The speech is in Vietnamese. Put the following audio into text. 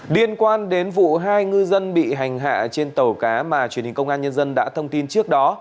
liên quan đến vụ hai ngư dân bị hành hạ trên tàu cá mà truyền hình công an nhân dân đã thông tin trước đó